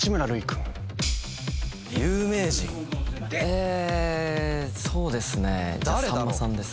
有名人？えそうですねじゃさんまさんです。